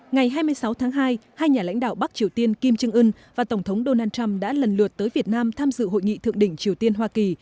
ngày hai mươi sáu tháng hai hai nhà lãnh đạo bắc triều tiên kim trương ưn và tổng thống donald trump đã lần lượt tới việt nam tham dự hội nghị thượng đỉnh triều tiên hoa kỳ